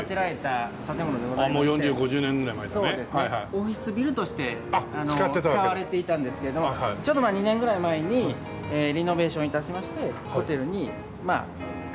オフィスビルとして使われていたんですけどちょっと２年ぐらい前にリノベーション致しましてホテルにまあ改装といいますか。